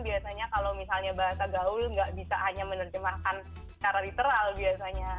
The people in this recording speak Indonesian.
biasanya kalau misalnya bahasa gaul gak bisa hanya menerjemahkan secara literal biasanya